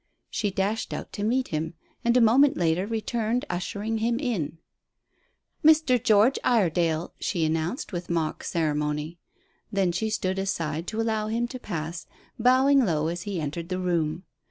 She dashed out to meet him, and, a moment later, returned ushering him in. "Mr. George Iredale," she announced, with mock ceremony. Then she stood aside to allow him to pass, bowing low as he entered the room.